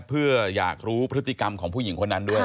เพื่ออยากรู้พฤติกรรมของผู้หญิงคนนั้นด้วย